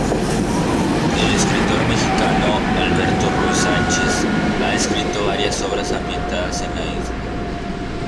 El escritor mexicano Alberto Ruy Sánchez ha escrito varias obras ambientadas en la isla.